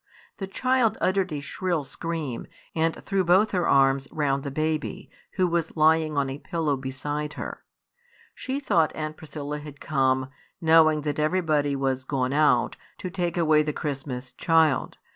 The child uttered a shrill scream, and threw both her arms round the baby, who was lying on a pillow beside her. She thought Aunt Priscilla had come, knowing that everybody was gone out, to take away the Christmas child.